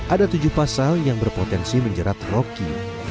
ada tujuh pasal yang berpotensi menjerat rocky